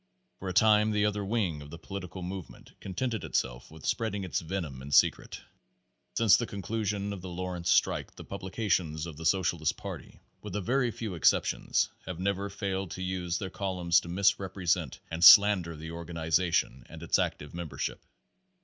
For a time the other wing of the political movement contented itself with spreading its venom in secret. Since the conclusion of the Lawrence strike the publica tions of the Socialist Party (with a very few excep tions) have never failed to use their columns to mis represent and slander the organization and its active membership.